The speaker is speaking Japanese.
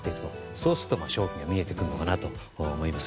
そうすると勝機が見えてくるかなと思います。